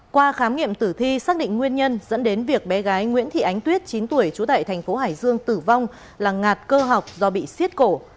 qua khám nghiệm tử thi xác định nguyên nhân dẫn đến việc bé gái nguyễn thị ánh tuyết chín tuổi trú tại thành phố hải dương tử vong là ngạt cơ học do bị siết cổ